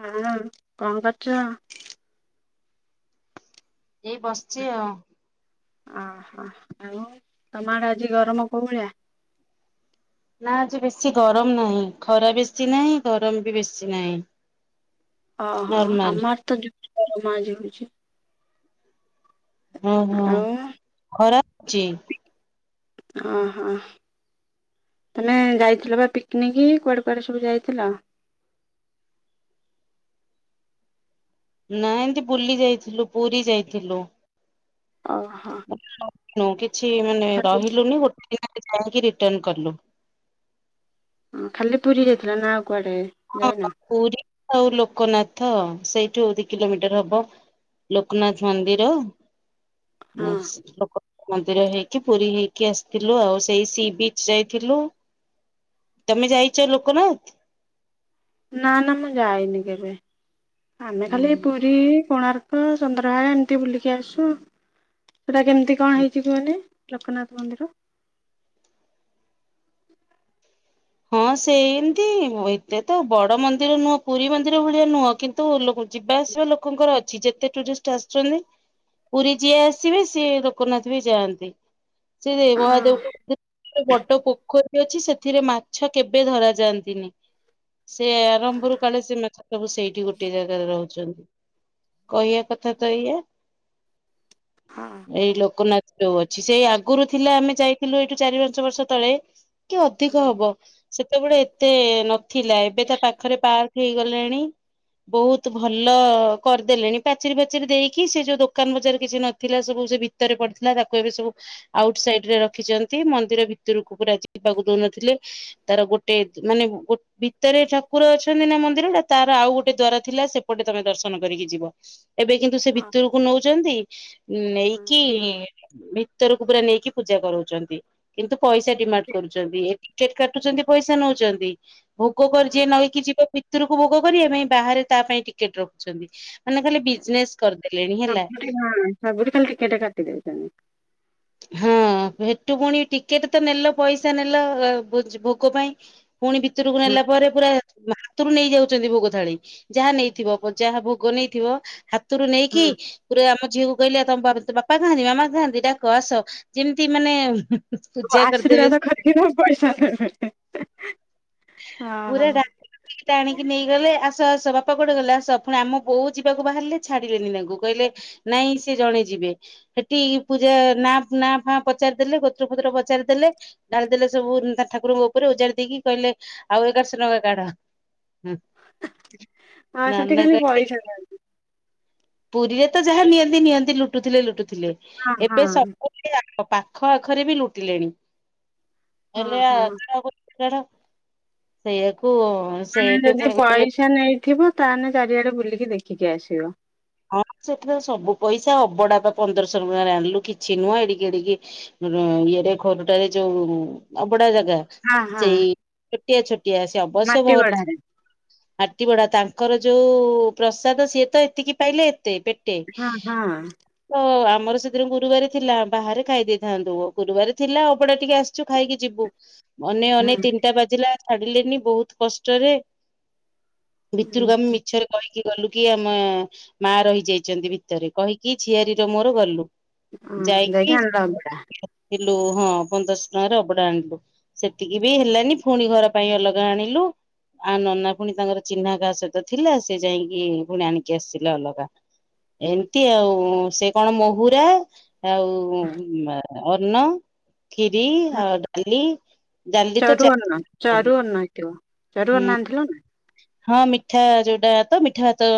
ହଁ କଣ କରୁଚ? ଏଇ ବସିଚି ଆଉ। ଆହା ଆଉ ତମ ଆଡ଼େ ଆଜି ଗରମ କୋଉ ଭଳିଆ? ନା ଆଜି ବେଶି ଗରମ ନାହିଁ ଖରା ବେଶି ନାହିଁ ଗରମ ବି ବେଶି ନାହିଁ। ଓ ହୋ ନର୍ମାଲ ଆମ ଆଡ଼େ ତ ଯୁ ଗରମ ଆଜି ହଉଛି। ହଁ ହଁ ଆଉ ଖରା ଉଛି? ଓ ହୋ। ତମେ ଯାଇଥିଲ ବା ପିକନିକ୍ କୁଆଡେ କୁଆଡେ ସବୁ ଯାଇଥିଲ? ନାଇଁ ଏନ୍ତି ବୁଲି ଯାଇଥିଲୁ ପୁରୀ ଯାଇଥିଲୁ। ଓ ହୋ। [unintelligible] କିଛି ମାନେ ରହିଲୁନୁ ଗୋଟେ ଦିନ [unintelligible] ରହିକି ରିଟନ୍ କଲୁ। ହଁ ଖାଲି ପୁରୀ ଯାଇଥିଲ ନା ଆଉ କୁଆଡେ? ହଁ ଯାଇନ? ପୁରୀ ଆଉ ଲୋକନାଥ ସେଇଠୁ ଦି କିଲୋମିଟର ହବ। ଲୋକନାଥ ମନ୍ଦିର ହଁ [unintelligible] ମନ୍ଦିର ହେଇକି ପୁରୀ ହେଇକି ଆସିଥିଲୁ ଆଉ ସେଇ ସି ବିଜ୍ ଯାଇଥିଲୁ। ତମେ ଯାଇଚ ଲୋକନାଥ? ନା ନା ମୁଁ ଯାଇନି କେବେ ଆମେ ହୁଁ ଖାଲି ହୁଁ। ପୁରୀ, କୋଣା ର୍କ ଚନ୍ଦ୍ରଭାଗା ଏମତି ବୁଲିକି ଆସୁ। ସେଇଟା କେମିତି କଣ ହେଇଛି କହିଲେ ଲୋକନାଥ ମନ୍ଦିର? ହଁ ସେମତି ଏତେ ତ ବଡ଼ ମନ୍ଦିର ନୁହଁ ପୁରୀ ମନ୍ଦିର ଭଳିଆ ନୁହଁ କିନ୍ କିନ୍ତୁ ଲୋକ ଯିବା ଆସିବା ଲୋକଙ୍କର ଅଛି ଯେତେ ଟୁରିଷ୍ଟ ଆସିଛନ୍ତି। ପୁରୀ ଯିଏ ଆସିବେ ସିଏ ଲୋକନାଥ ବି ଯାଆନ୍ତି। ସେ ହଁ ମହାଦେବ [unintelligible] ବଡ଼ ପୋଖରି ଟେ ଅଛି ସେଥିରେ ମା ମାଛ କେବେ ଧରା ଯାଆନ୍ତିନି ସେ ଆରମ୍ଭ ରୁ କାଳେ ସବୁ ସେଇଠି ଗୋଟିଏ ଜାଗାରେ ରହୁଛନ୍ତି। କହିବା କଥା ତ ଏୟା। ହାଁ। ଏଇ ଲୋକନାଥ ଯୋଉ ଅଛି ସେ ଆଗରୁ ଥିଲା ଆମେ ଯାଇଥିଲୁ ଏଠୁ ଚାରି ପାଞ୍ଚ ବର୍ଷ ତଳେ। ଟିକେ ଅଧିକ ହବ ସେତେବେଳେ ଏତେ ନ ଥିଲା ଏବେ ତ ପାଖରେ ପାର୍କ ହେଇ ଗଲାଣି। ବହୁତ ଭଲ କରି ଦେଲେଣି ପାଚେରି ଫାଚେରି ଦେଇକି ସେ ଯୋଉ ଦୋକାନ ବଜାର କିଛି ନ ଥିଲା ସବୁ ସେ ଭିତରେ ପଡ଼ିଥିଲା ତାକୁ ଏବେ ସବୁ ଆଉଟ ସାଇଡ ରେ ରଖିଛନ୍ତି ମନ୍ଦିର ଭିତରକୁ ପୁରା ଯିବାକୁ ଦଉନଥିଲେ। ତାର ଗୋଟେ ମାନେ ଗୋ ଭିତରେ ଠାକୁର ଅଛନ୍ତି ନା ମନ୍ଦିର ଟା ତାର ଆଉ ଗୋଟେ ଦ୍ୱାର ଥିଲା ସେପଟେ ତମେ ଦର୍ଶନ କରିକି ଯିବ। ଏବେ କିନ୍ତୁ ସେ ହଁ ଭିତରକୁ ନଉଚନ୍ତି ନେଇକି ହଁ ଭିତରକୁ ପୁରା ନେଇକି ପୂଜା କରଉଛନ୍ତି କିନ୍ତୁ ପଇସା ଡିମାଣ୍ଡ କରୁଛନ୍ତି। କାଟୁଛନ୍ତି ପଇସା ନଉଛନ୍ତି। ଭୋଗ ପରେ ଯିଏ ହଁ ନଇକି ଯିବ ଭିତରୁ ଭୋଗ କରିବା ପାଇଁ ବାହାରେ ତା ପାଇଁ ଟିକେଟ ରଖୁଛନ୍ତି। ମାନେ ଖାଲି ବିଜନେସ କରି ଦେଲେଣି ହେଲା। ସବୁଠି ହଁ ସବୁଟି ଖାଲି ଟିକେଟ କାଟି ଦେଉଛନ୍ତି। ହଁ ହେଠୁ ପୁଣି ଟିକେଟ ତ ନେଲ ପଇସା ନେଲ ଭୋଜ ଭୋଗ ପାଇଁ। ପୁଣି ଭିତରକୁ ହଁ ନେଲା ପରେ ପୁରା ହାତରୁ ନେଇ ଯାଉଛନ୍ତି ଭୋଗ ଥାଳି ଯାହା ନେଇଥିବ ଯାହା ଭୋଗ ନେଇଥିବ ହା ହାତରୁ ନେଇକି ହଁ। ପୁରା ଆମ ଝିଅକୁ କହିଲେ ତମ ବାପା କହନ୍ତି ମାମା କହନ୍ତି ଡାକେ। କ ଆସ ଯେମିତି ମାନେ ହୁଁ ଆଶୀର୍ବାଦ କାରୀଥିବେ ପଇସା ହଁ ହଁ ହଁ। ପୁରୁରା ଡ଼ା ଏଟା ଆଣିକି ନେଇଗଲେ ଆସ ଆସ ବାପା କୋଡେ ଗଲେ ଆସ ପୁଣି ଆମ ବୋଉ ଯିବାକୁ ବାହାରିଲେ ଛାଡିବେନି ତାଙ୍କୁ କହିଲେ? ନାଇଁ ସେ ଜଣେ ଯିବେ। ସେଠି ପୂଜା ନା ନାଁ ଫା ପଚାରିଦେଲେ ଗୋତ୍ରପତ୍ର ପଚାରିଦେଲେ। ଡାଳିଦେଲେ ସବୁ ତା ଠାକୁରଙ୍କ ଉପରେ ଉଜାରି ଦେଇକି କହିଲେ ଆଉ ଏଗାରଶହ ଟଙ୍କା କାଡ଼। ହଁ ହଁ ସେଠି ନାନା ଖାଲି କାକି ପଇସା ଦେବେ ପୁରୀରେ ତ ଯାହା ନିଅନ୍ତି ନିଅନ୍ତି ଲୁଟୁଥିଲେ ଲୁଟୁଥିଲେ ହଁ ଏବେ ହଁ। ସବୁ ପାଖ ଆଖରେ ବି ଲୁଟିଲେଣି ହଁ ହେଲେ ହଁ। ଛାଡ଼ ସେଇଆାକୁ ଯଦି ପଇସା ନେଇଥିବ ତାହେଲେ ଚାରିଆଡେ ବୁଲିକି ଦେଖିକି ଆସିବ। ହଁ ସେଠ ତ ସବୁ ପଇସା ଅବଢଡା ତ ପନ୍ଦରଶହ ଟଙ୍କା ଆଣିଲୁ କିଛି ନୁହଁ ଏଡିକି ଏଡିକି। ମୋର ଇଏରେ ଘରଟାରେ ଯୋଉ ଅବଢଡା ଜାଗା। ହଁ ହଁ। ଛୁଟିଆ ଛୁଟିଆ ସେ ଅବଶ୍ୟ ମାଟି ବହୁତ ଗଢାରେ ହାଟି ବଡା ତାଙ୍କର ଯୋଉ ପ୍ରସାଦ ସିଏ ତ ଏତିକି ପାଇଲେ ଏତେ ଟେ ହଁ ହଁ ତ ଆମର ସେଦିନ ଗୁରୁବାର ଥିଲା ବାହାରେ ଖାଇ ଦେଇଥାନ୍ତୁ ଗୁରୁବାର ଥିଲା ଅଉପଡା ଟିକେ ଆସ ଛୁ ଖାଇକି ଯିବୁ ଅନେ ଅନେ ହଁ। ତିନିଟା ବାଜିଲା ଛାଡିଲେନି ବହୁତ କଷ୍ଟରେ। ଭିତରକୁ ଆମେ ମିଛରେ କହିକି ଗଲୁ କି ଆମ ମା ରହିଯାଇଛନ୍ତି ଭିତରେ କହିକି ଝିଆରୀର ମୋର ଗଲୁ। ହଁ ଯାଇକି ଆଣିଲ ଅଭଡ଼ା ଥିଲୁ ହଁ ପନ୍ଦରଶହ ଟଙ୍କାରେ ଅବଢା ଆଣିଲୁ। ସେତିକି ବି ହେଲାନି ପୁଣି ଘର ପାଇଁ ଅଲଗା ଆଣିଲୁ। ଆ ନନା ପୁଣି ତାଙ୍କର ଚିହ୍ନା କାହା ସହିତ ଥିଲା ସେ ଯାଇକି ପୁଣି ଆଣିକି ଆସିଥିଲେ ଅଭଡ଼ା। ଏମିତି ଆଉ ସେ କଣ ମହୁୁରା ଆଉ ଅନ୍ନ ଖିରି ଆଉ ଡାଲି ଡାଲି ତ ଚା ଚରୁଆର [unintelligible] ନାଣିଥିଲୁ ନା ହଁ ମିଠା ଯୋଉଟା ତ ମିଠା ଭାତ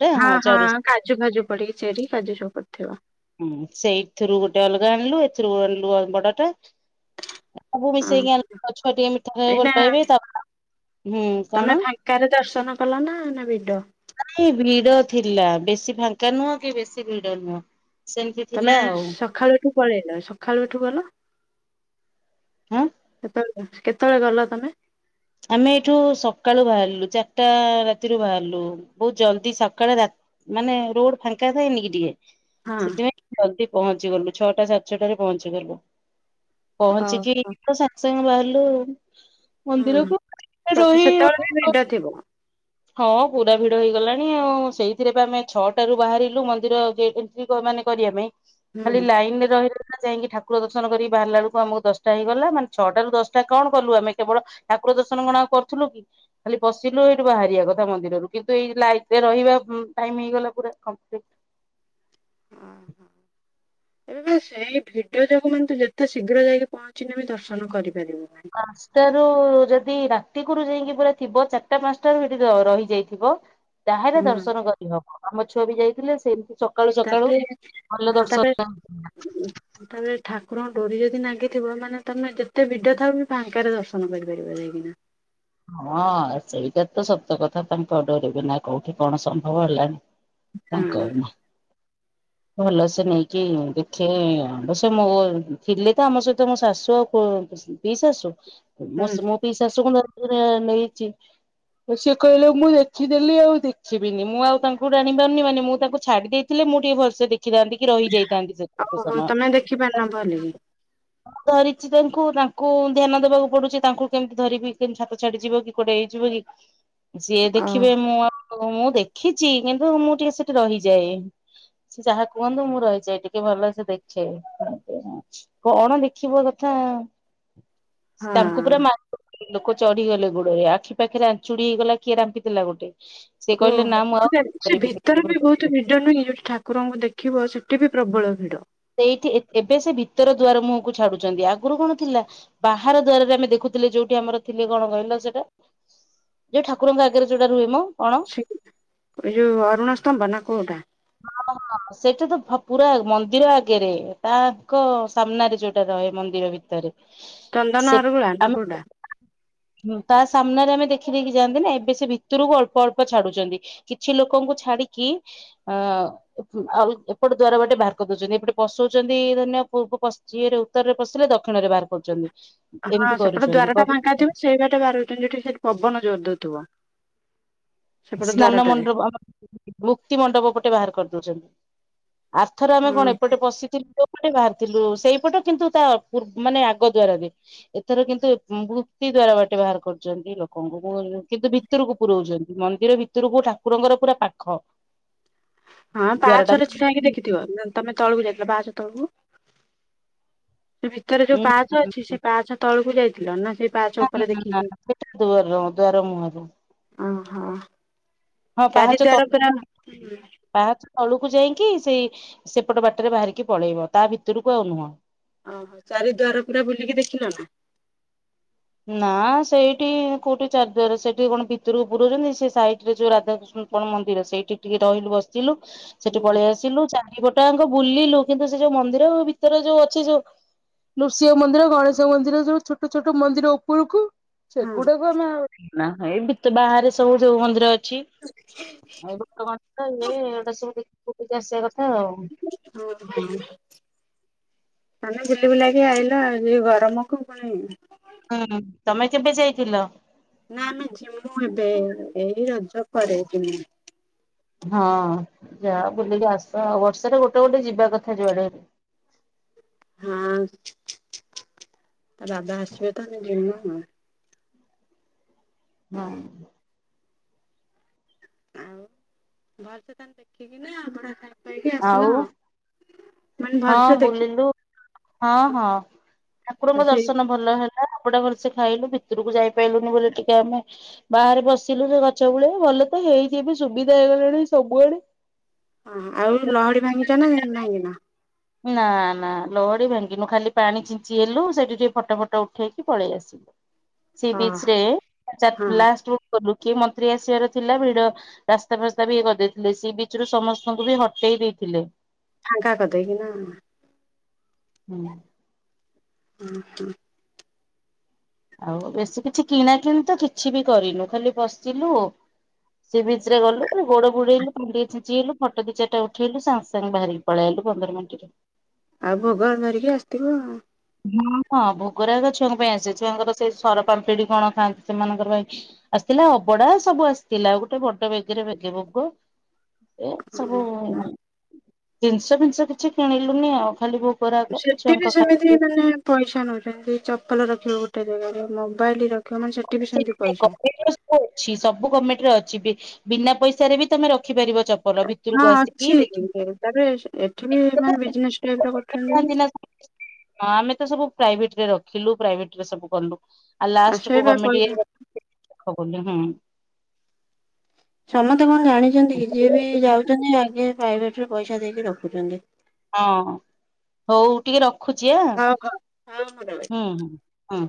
ତ ହଁ ହଁ କାଜୁ କାଜୁ ପଡିକି ଚେରି କାଜୁ ସବୁ ପଡିଥିବ। ହୁଁ ସେଇଥିରୁ ଗୋଟେ ଅଲଗା ଆଣିଲୁ ଏଥିରୁ ଆଣିଲୁ ବଡ ଟା। ସବୁ ହଁ। ମିଶେଇକି ଅନିଲୁ ଛୁଆ ଟିକେ ମିଠା ଖାଇବେ ପାଇଁ ଏଇନା ଭଲ ପାଇବେ ତା ତମେ ଫାଙ୍କାରେ ଦର୍ଶନ କଲ ନା ନା ବିଡ ନାଇଁ ଭିଡ ଥିଲା ବେଶୀ ଫାଙ୍କା ନୁହଁ କି ବେଶୀ ଭିଡ ନୁହଁ। ସେମିତି ତମେ ଥିଲା ଆଉ ସକାଳୁଠୁ ପଳେଇଲ ସକାଳୁ ଏଠୁ ଗଲ ହଁ ସେତେବେଳେ କେତେବେଳେ ଗଲ ତମେ? ଆମେ ଏଇଠୁ ସକାଳୁ ବାହାରିଲୁ ଚାରିଟା ରାତିରୁ ବାହାରିଲୁ ବହୁତ ଜଲ୍ଦି ସକାଳ ରା ମାନେ ରୋଡ ଫାଙ୍କା ଥଏନି କି ଟିକେ। ହଁ ସେଥିପାଇଁ ଜଲଦି ପହଞ୍ଚି ଗଲୁ ଛଅଟା ସାତ ଛଟାରେ ପହଞ୍ଚି ଗଲୁ। ପହଞ୍ଚିକି ହଁ ତ ସାଙ୍ଗେ ସାଙ୍ଗେ ବାହାରିଲୁ ମନ୍ଦିର। ତ ସେତେବେଳେ ବି ଭିଡ ଥିବ। ହଁ ପୁରା ଭିଡ ହେଇଗଲାଣି ଆଉ ସେଇଥିରେ ବି ଆମେ ଛଅଟାରୁୁ ବାହାରିଲୁ ମନ୍ଦିର ଯିବ ମାନେ କରିବା ପାଇଁ ଖାଲି ହୁଁ। ଲାଇନ୍ ରେ ରହିଲେ ସିନା ଯାଇକି ଠାକୁ ଠାକୁର ଦର୍ଶନ କରି ବାହାରିଲା ବଳକୁ ଆମକୁ ଦଶ୍ ଟା ହେଇଗଲା ମାନେ ଛଅଟାରୁୁ ଦଶ୍ ଟା କଣ କଲୁ ଆମେ କେବଳ ଠାକୁର ଦର୍ଶନ କଣ ଆଉ କରୁଥିଲୁ କି ଖାଲି ପଶିଲୁ ଏଇଠୁ ବାହାରି ଯିବାକଥା ମନ୍ଦିର ରୁ କିନ୍ତୁ ଏଇ ଲାଇନ୍ ରେ ରହିବା ଟାଇମ୍ ହେଇଗଲା ପୁରା କପ୍ଲିଟି ହ ହିଁ। ଏ ସେଇ ଭିଡ଼ ଯୋଗୁ ମାନେ ତୁ ଯେତେ ଶୀଘ୍ର ଯାଇକି ପହଞ୍ଚିବେ ବି ଦର୍ଶନ କରିପାରିବୁ। ପାଞ୍ଚଟାରୁ ଯଦି ରାତିକରୁ ଯାଇକି ପୁରା ଥିବ ଚାରିଟା ପାଞ୍ଚଟା ରୁ ସେଠି ର- ରହିଯାଇଥିବ ତାହେଲେ ହୁଁ ଦର୍ଶନ କରିହବ ଆମ ଛୁଆ ବି ଯାଇଥିଲେ ସେମିତି ସ ସକାଳୁ ସକାଳୁ ତାପରେ ଭଲ ହଁ ତାପରେ ଦର୍ଶନ ତାପରେ ଠାକୁରଙ୍କ ଡୋରି ଯଦି ନାଗିଥିବ ମାନେ ତମେ ଯେତେ ଭିଡ ଥାଉ ବି ଫାଙ୍କାରେ ଦର୍ଶନ କରିପାରିବ ଯାଇକିନା। ହଁ ସେଇଟା ତ ସତ କଥା ତାଙ୍କ ଡୋରି ବିନା କଉଠି କଣ ସମ୍ଭବ ହେଲାଣି। ତାଙ୍କ ହଁ ବିନା। ଭଲ ସେ ନେଇକି ଦେଖେ ଅବଶ୍ୟ ମୋ ଥିଲି ତ ଆମ ସହିତ ମୋ ଶାଶୁ ଆଉ କୋ ପିଇ ଶାଶୁ ହୁଁ ମୋ ପିଇ ଶାଶୁକୁ ଧରିକି ନେଇଚି। ସେ କହିଲେ ମୁଁ ଦେଖିଦେଲି ଆଉ ଦେଖିବିନି ମୁଁ ଆଉ ତାଙ୍କୁ ଟାଣି ପାରୁନି ମାନେ ମୁଁ ତାଙ୍କୁ ଛାଡି ଦେଇ ଥିଲେ ମୁଁ ଟିକେ ଭଲସେ ଦେଖିଥାନ୍ତି କି ରହିଯାଇଥାନ୍ତି ସେତିକି ଓହୋ ସମୟ। ତମେ ଦେଖିପାରିନ ଭଲକି ଧରିଚି ତାଙ୍କୁ ତାଙ୍କୁ ଧ୍ୟାନ ଦେବାକୁ ପଡୁଚି ତାଙ୍କୁ କେମିତି ଧରିବି। କେମିତି ହାତ ଛାଡି ଯିବ କି କଉଟେ ହେଇଯିବ କି ସିଏ ଓ ଦେଖିବେ ମୁଁ ଆଉ ହଁ ମୁଁ ଦେଖିଚି କିନ୍ତୁ ମୁଁ ଟିକେ ସେଠି ରହିଯାଏ। ସେ ଯାହା କୁହନ୍ତୁ ମୁଁ ରହିଯାଏ ଟିକେ ଭଲସେ ଦେଖେ। କଣ ଦେଖିବ କଥା ତାଙ୍କୁ ହଁ। ପୁରା ମା ଲୋକ ଚଢିଗଲେ ଗୋଡରେ ଆଖି ପାଖେରେ ଆଁଚୁଡି ହେଇଗଲା କିଏ ରାମ୍ପିଦେଲା ଗୋଟେ ସେ କହିଲେ ନା ମୁଁ ଓହୋ ଆଉ ସେ କରିବିନି ଭିତରେ ବି ବହୁତ ଭିଡ଼। ଭିଡ ନୁହେଁ ଯଉଠି ଠାକୁରଙ୍କୁ ଦେଖିବ ସେଠି ବି ପ୍ରବଳ ଭିଡ। ସେଇଠି ଏ-ଏବେ ସେ ଭିତର ଦୁଆର ମୁହଁକୁ ଛାଡୁଚନ୍ତି ଆଗୁରୁ କଣ ଥିଲା ବାହାର ଦ୍ଵାରରେ ଆମେ ଦେଖୁଥିଲେ ଯଉଠି ଆମର ଥିଲେ କଣ କହିଲ ସେଟା ଯଉ ଠାକୁରଙ୍କ ଆଗେରେ ଯଉଟା ରୁହେ ମ କଣ ଏଇ ଯଉ ଅରୁଣ ସ୍ତମ୍ଭ ନା କଉଟା? ସେଇଟା ତ ଭ-ପୁରା ମନ୍ଦିର ଆଗେରେ ତାଙ୍କ ସାମ୍ନାରେ ଯଉଟା ରହେ ମନ୍ଦିର ଭିତରେ ଚନ୍ଦନ ଅରୁଳା ନା କଉଟା? ହୁଁ -ତା ସାମ୍ନାରେ ଆମେ ଦେଖି ଦେଖି ଯାଆନ୍ତି ନା ଏବେ ସେ ଭିତରୁକୁ ଅଳ୍ପ ଅଳ୍ପ ଛାଡୁଚନ୍ତି। କିଛି ଲୋକଙ୍କୁ ଛାଡିକି ଆ ଆଉ ଏପଟେ ଦ୍ଵାର ବାଟେ ବାହାର କରି ଦଉଚନ୍ତି ଏପଟେ ପଶଉଚନ୍ତି ଧରିନିଅ ପୂର୍ବ ପଶ୍ଚ୍ ଯିଏରେ ଉତ୍ତରରେ ପଶିଲେ ଦକ୍ଷିଣରେ ବାହାର କରୁଚନ୍ତି। ହଁ ସେପଟେ ଦ୍ଵାର ଟା ଫାଙ୍କା ଥିବ ସେଇ ବାଟେ ବାହାରୁଚନ୍ତି ଯଉଠି ସେଠି ପବନ ଜୋର୍ ଦଉଥିବ। ସେପଟ ସ୍ନାନ ଦ୍ୱାରଟାରେ ମଣ୍ଡପ ଆମେ ମୁକ୍ତି ମଣ୍ଡପ ପଟେ ବାହାର କରିଦଉଚନ୍ତି। ଆର୍ ଥର ଆମେ ହଁ କଣ ଏପଟେ ପଶିଥିଲୁ ପଟେ ବାହାରିଥିଲୁ ସେଇପଟେ କିନ୍ତୁ ତା ପୂ-ମାନେ ଆଗ ଦ୍ଵାରରେ ଏଥର କିନ୍ତୁ ମୁକ୍ତି ଦ୍ଵାରା ବାଟେ ବାହାର କରୁଚନ୍ତି ଲୋକଙ୍କୁ କିନ୍ତୁ ଭିତରକୁ ପୁରଉଚନ୍ତି। ମନ୍ଦିର ଭିତରକୁ ଠାକୁରଙ୍କର ପୁରା ପାଖ। ହଁ ଦ୍ୱାରଟା ପାହାଚ ରେ ଛିଡା ହେଇକି ଦେଖିଥିବ ତମେ ତଳକୁ ଯାଇଥିଲ ପାହାଚ ତଳକୁ? ସେ ଭିତରେ ଯଉ ପାହାଚ ଅଛି ସେ ପାହାଚ ତଳୁକୁ ଯାଇଥିଲ ନା ସେଇ ପାହାଚ ଉପରେ ଦେଖିକି ସେଟା ଦୁଆର ଦ୍ୱାର ମୁହଁରୁ ଓହୋ। ହଁ ଚାରି ପାହାଚ ତ ଦ୍ୱାର ପୁରା ହୁଁ। ପାହାଚ ତଳୁକୁ ଯାଇକି ସେଇ ସେପଟ ବାଟରେ ବାହାରିକି ପଳେଇବ ତା ଭିତରୁକୁ ଆଉ ନୁହଁ। ଓହୋ ଚାରି ଦ୍ଵାର ପୁରା ବୁଲିକି ଦେଖିଲ ନା? ନା ସେଇଠି କଉଠି ଚାରି ଦ୍ଵାର ସେଠି କଣ ଭିତରକୁ ପୁରଉଚନ୍ତି ସେ ସାଇଟ୍ ରେ ଯଉ ରାଧାକୃଷ୍ଣ ଙ୍କ ମନ୍ଦିର ସେଇଠି ଟିକେ ରହିଲୁ ବସିଲୁ ସେଠି ହଁ ପଳେଇଆସି ଆସିଲୁ ଚାରିପଟାଙ୍କ ବୁଲିଲୁ କିନ୍ତୁ ସେ ଯୋଉ ମନ୍ଦିର ଭିତରେ ଯୋଉ ଅଛି ଯୋଉ ନୃଷ୍ୟଂ ମନ୍ଦିର ଗଣେଶ ମନ୍ଦିରୋ ଉ ଛୋଟ ଛୋଟ ମନ୍ଦିର ଉପରକୁ ସେଗୁଡାକୁ ଆମେ ଏ ବାହାରେ ସବୁ ଯୋଉ ମନ୍ଦିର ଅ ଛି ତମାନ ଇଏଟା ସବୁିକ ଆସିବା କଥା ଆଉ। ହଉ। ଆମେ ବୁଲି ବୁଲାକି ଆଇଲ ଯେ ଗରମକୁ ପୁଣି ହୁଁ ତମେ କେବେ ଯାଇଥିଲ? ନା ଆମେ ଯିମୁ ଏବେ ଏଇ ରଜ ପରେ ଜିମୁ। ହଁ ଯା ବୁଲିକି ଆସ ଆ ବର୍ଷରେ ଗୋଟେ ଗୋଟେ ଯିବା କଥା ଯୁଆଡେ। ହଁ ଦାଦା ଆସିବେ ତ ଯିମୁ। ହଁ। ଆଉ ଭଲସେ ତାଙ୍କୁ ଦେଖିକି ନା ବଢା ଖାଇ ପାଇକି ଆସିଲ ଆଉ। ମାନେ ହଁ ଭଲସେ ଦେଖି ବୁଲିଲୁ ହଁ ହଁ ଆଉ ଠାକୁରଙ୍କ ସେଇ ଦର୍ଶନ ଭଲ ହେଲା ଅବଢ଼ା ଭଲସେ ଖାଇଲୁ ଭିତରକୁ ଯାଇପାଇଲୁନି ବୋଲି ଟିକେ ଆମେ ବାହାରେ ବସିଲୁ ସେ ଗଛ ଗୁଳିଆ ଭଲ ତ ହେଇଛି ବି ସୁବିଧା ହେଇଗଲାଣି ସବୁଆଡ଼େ ହ ଆଉ ଲହଡି ଭାଙ୍ଗିଛ ନା ଭାଙ୍ଗିନା? ନା ନା ଲହଡି ଭାଙ୍ଗିନୁ ଖାଲି ପାଣି ଚିଞ୍ଚି ହେଲୁ ସେଠି ଟିକେ ଫଟୋ ଫଟ ଉଠେଇକି ପଳେଇ ଆସିଲୁ। ସି ହଁ ବିଚ୍ ରେ ଚା ହଁ ଲାଷ୍ଟ୍ କି ମନ୍ତ୍ରୀ ଆସିବାର ଥିଲା ଭିଡ ରାସ୍ତା ଫାସ୍ତା ବି ଇଏ କରିଦେଇଥିଲେ ସି ବିଚ ରୁ ସମସ୍ତଙ୍କୁ ବି ହଟେଇ ଦେଇଥିଲେ। ଫାଙ୍କା କରି ଦେଇକି ନା? ହୁଁ। ହୁଁ। ଆଉ ବେଶୀ କିଛି କିଣା କିଣି ତ କିଛି ବି କରିନୁ ଖାଲି ବସିଲୁ। ସେ ବିଚ ରେ ଗଲୁ ଗୋଡ ଗୋଡେଇଲୁଣ୍ଡି ଛିଞ୍ଚି ହେଲୁ ଫଟ ଦି ଚାରଟା ଉଠେଇଲୁ ସାଙ୍ଗେ ସାଙ୍ଗେ ବାହାରି ପଳେଇ ଆଇଲୁ ପନ୍ଦର ମିନଟ ଆଉ ଭୋଗଳ ଧରିକି ଆସିଥିବ? ହଁ ହଁ ଭୋଗରାଗ ଛୁଆଙ୍କ ପାଇଁ ଆସେ ଛୁଆଙ୍କର ସେଇ ସର ପାାମ୍ପିଡି କଣ ଖାଆନ୍ତି ସେମାନଙ୍କର ପାଇଁ ଆସିଥିଲା ଅବଡା ସବୁ ଆସିଥିଲା ଆଉ ଗୋଟେ ବଟ ବେଗିରେ ଭେଗ ବଙ୍ଗ ଏ ସବୁ ଜିନିଷ ଜିନିଷ କିଛି କିଣିଲୁନି ଆଉ ଖାଲି ବୋ ରା ସେଠି ଛୁଆ ବି ଙ୍କ ଖାଇବା। ସେମିତି ମାନେ ପଇସା ନଉଛନ୍ତି ଚପଲ ରଖିବ ଗୋଟେ ଜାଗାରେ ମୋବାଇଲ ରଖିବ ମାନେ ସେ [unintelligible] ଅଛି ସବୁ ଗଭର୍ଣ୍ଣମେଣ୍ଟରେ ଅଛି ବିନା ପଇସାରେ ବି ତମେ ରଖିପାରିବ ଚପଲ ହଁ ରକୁ ଆସିକି ଅଛି ଦେଖ ତାପରେ ଏଠି ବି ମାନେ ବିଜନେସ୍ ଟାଇପ୍ ର କରୁଛନ୍ତି ହଁ ବି। ଆମେ ତ ସବୁ ପ୍ରାଇଭେଟ ରେ ରଖିଲୁ ପ୍ରାଇଭେଟ ରେ ସବୁ କଲୁ ଆ ଲ କୁ ସେଇବା ଗଣ୍ଟ କହିଲା। ଦେଖ ବିଲୁ ହୁଁ ସମସ୍ତେ କଣ ଜାଣିଛନ୍ତି କି ଯିଏ ବି ଯାଉଛନ୍ତି ଆଗ ପ୍ରାଇଭେଟୁ ପଇସା ଦେଇକି ରଖୁଛନ୍ତି। ହଁ ହଉ ଟିକେ ରଖୁଛି ଆ ହଁ ହଁ। ହଁ ମୁଁ ରହୁଛି। ହୁଁ ହୁଁ ହୁଁ।